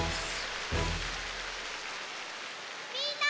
みんな！